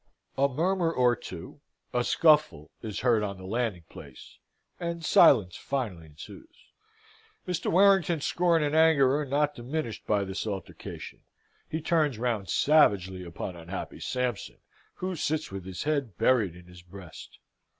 A murmur or two, a scuffle is heard on the landing place, and silence finally ensues. Mr. Warrington's scorn and anger are not diminished by this altercation. He turns round savagely upon unhappy Sampson, who sits with his head buried in his breast.